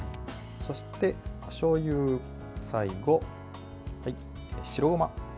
そしてしょうゆ、最後、白ごま。